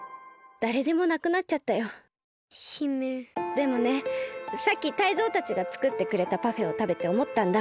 でもねさっきタイゾウたちがつくってくれたパフェをたべておもったんだ。